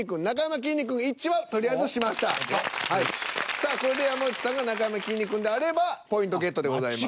さあこれで山内さんがなかやまきんに君であればポイントゲットでございます。